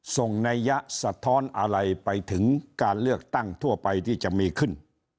นัยยะสะท้อนอะไรไปถึงการเลือกตั้งทั่วไปที่จะมีขึ้น